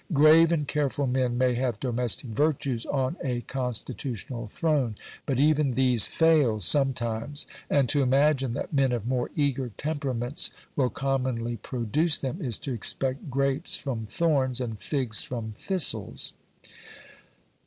Grave and careful men may have domestic virtues on a constitutional throne, but even these fail sometimes, and to imagine that men of more eager temperaments will commonly produce them, is to expect grapes from thorns and figs from thistles.